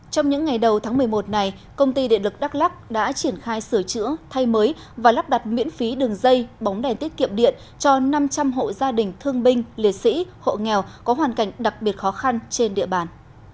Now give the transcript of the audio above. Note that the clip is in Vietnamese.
trong những ngày đầu tháng một mươi một này công ty điện lực đắk lắc đã triển khai sửa chữa thay mới và lắp đặt miễn phí đường dây bóng đèn tiết kiệm điện cho năm trăm linh hộ gia đình thương binh liệt sĩ hộ nghèo có hoàn cảnh đặc biệt khó khăn trên địa bàn